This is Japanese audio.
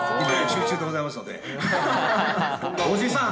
今、おじさん！